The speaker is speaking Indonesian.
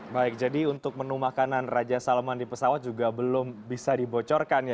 baik jadi untuk menu makanan raja salman di pesawat juga belum bisa dibocorkan ya